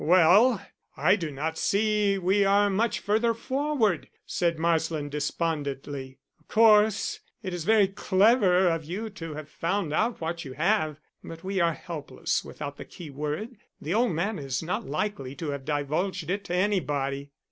"Well, I do not see we are much further forward," said Marsland despondently. "Of course, it's very clever of you to have found out what you have, but we are helpless without the keyword. The old man is not likely to have divulged it to anybody."